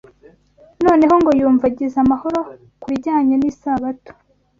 Noneho ngo yumva agize amahoro ku bijyanye n’Isabato